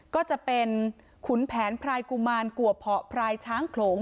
ก็จะเป็นขุนแผนพรายกุมารกัวเพาะพรายช้างโขลง